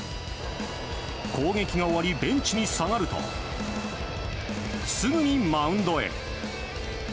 攻撃が終わりベンチに下がるとすぐにマウンドへ。